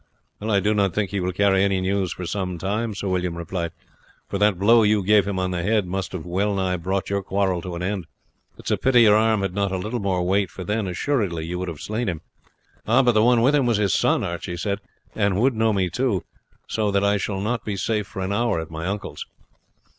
"I do not think that he will carry any news for some time," Sir William replied; "for that blow you gave him on the head must have well nigh brought your quarrel to an end. It is a pity your arm had not a little more weight, for then, assuredly you would have slain him." "But the one with him was his son," Archie said, "and would know me too; so that I shall not be safe for an hour at my uncle's."